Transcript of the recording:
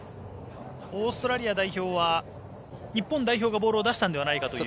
ここはオーストラリア代表は日本代表がボールを出したのではないかという。